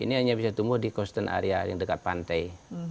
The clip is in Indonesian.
ini hanya bisa tumbuh di koster area yang dekat pantai